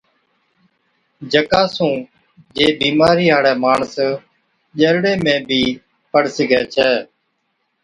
جڪا سُون جي بِيمارِي هاڙَي ماڻس جِرڙي ۾ بِي پَڙ سِگھَي ڇَي۔